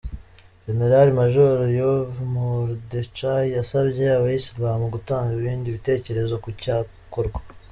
Jenerali Majoro Yoav Mordechai yasabye abayisilamu gutanga ibindi bitekerezo ku cyakorwa.